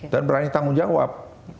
dan berani tanggung jawab